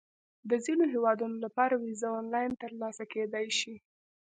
د ځینو هیوادونو لپاره ویزه آنلاین ترلاسه کېدای شي.